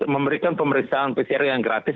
memberikan pemeriksaan pcr yang gratis